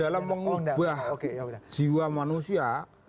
dalam mengubah jiwa manusia